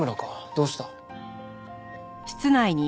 どうした？